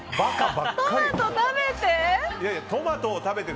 トマト食べて！